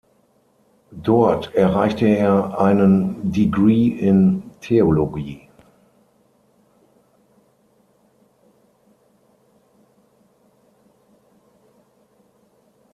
Dort erreichte er einen Degree in Theologie.